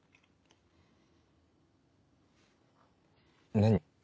何？